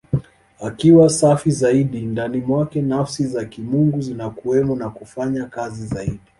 Akiwa safi zaidi, ndani mwake Nafsi za Kimungu zinakuwemo na kufanya kazi zaidi.